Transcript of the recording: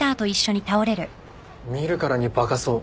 見るからにバカそう。